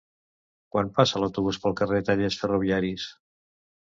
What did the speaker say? Quan passa l'autobús pel carrer Tallers Ferroviaris?